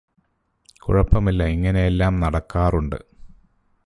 കുഴപ്പമില്ല ഇങ്ങനെയെല്ലാം നടക്കാറുണ്ട്